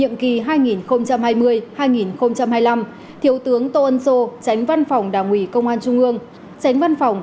nhiệm kỳ hai nghìn hai mươi hai nghìn hai mươi năm thiếu tướng tô ân sô tránh văn phòng đảng ủy công an trung ương tránh văn phòng